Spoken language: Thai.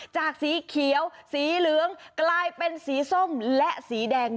สีเขียวสีเหลืองกลายเป็นสีส้มและสีแดง